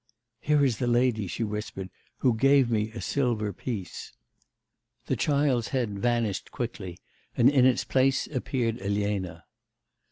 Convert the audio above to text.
'Here is the lady,' she whispered, 'who gave me a silver piece.' The child's head vanished quickly, and in its place appeared Elena.